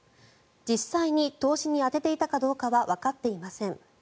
実際に投資に充てていたかどうかはわかっていません。